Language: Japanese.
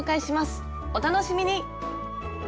お楽しみに！